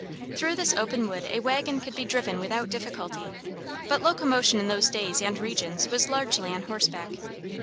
Through this open wood a wagon could be driven without difficulty; but locomotion in those days and regions was largely on horseback.